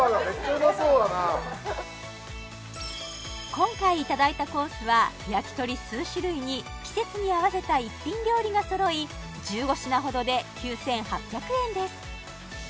今回いただいたコースは焼き鳥数種類に季節に合わせた一品料理が揃い１５品ほどで９８００円です